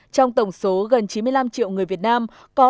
trong tổng số gần chín mươi năm triệu người việt nam có